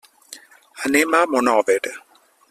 Anem a Monòver.